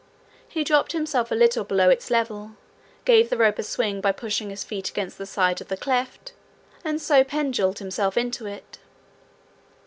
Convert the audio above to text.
He dropped himself a little below its level, gave the rope a swing by pushing his feet against the side of the cleft, and so penduled himself into it.